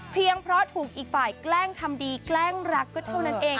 เพราะถูกอีกฝ่ายแกล้งทำดีแกล้งรักก็เท่านั้นเอง